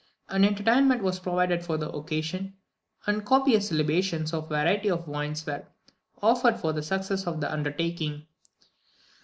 An entertainment was provided for the occasion, and copious libations of a variety of wines were offered for the success of the undertaking.